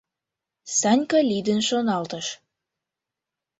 — Санька лӱдын шоналтыш.